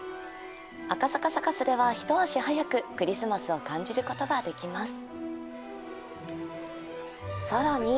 赤坂サカスでは一足早くクリスマスを感じることができます。